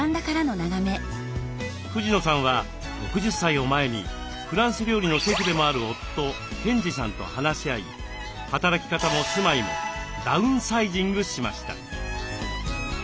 藤野さんは６０歳を前にフランス料理のシェフでもある夫賢治さんと話し合い働き方も住まいもダウンサイジングしました。